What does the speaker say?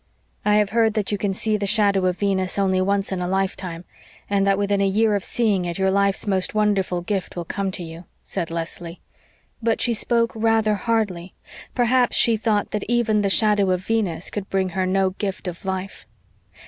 "I have heard that you can see the shadow of Venus only once in a lifetime, and that within a year of seeing it your life's most wonderful gift will come to you," said Leslie. But she spoke rather hardly; perhaps she thought that even the shadow of Venus could bring her no gift of life.